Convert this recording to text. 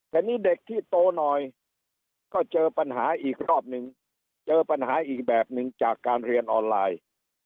แต่นี่เด็กที่โตหน่อยก็เจอปัญหาอีกรอบนึงเจอปัญหาอีกแบบหนึ่งจากการเรียนออนไลน์